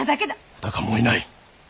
おたかもういない。